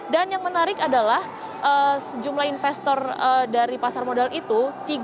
dan yang menarik adalah sejumlah investor dari pasar modal itu